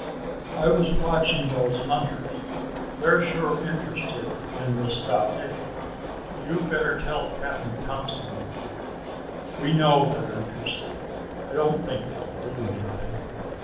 "I was watching those hunters. They're sure interested in the stockade. You better tell Cap'n Thompson." "We know they're interested. I don't think they'll do anything.